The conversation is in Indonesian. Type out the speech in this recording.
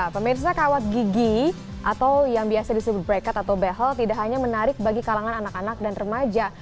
pemirsa kawat gigi atau yang biasa disebut bracket atau behel tidak hanya menarik bagi kalangan anak anak dan remaja